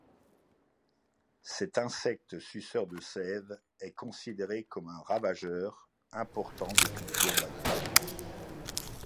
Cet insecte suceur de sève est considéré comme un ravageur important des cultures d'agrumes.